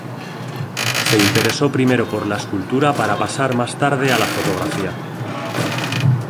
Se interesó primero por la escultura para pasar más tarde a la fotografía.